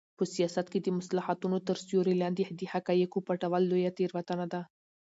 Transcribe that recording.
په سیاست کې د مصلحتونو تر سیوري لاندې د حقایقو پټول لویه تېروتنه ده.